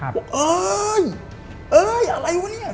เอิญเอ้ยอะไรวะเนี่ย